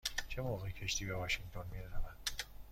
چه موقع کشتی به واشینگتن می رود؟